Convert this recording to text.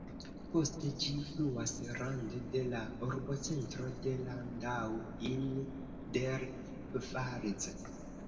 Poste ĝi fluas rande de la urbocentro de Landau in der Pfalz.